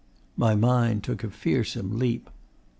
My mind took a fearsome leap.